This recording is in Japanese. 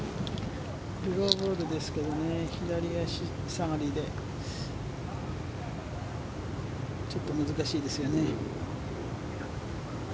ドローボールですけど左足下がりでちょっと難しいですよね。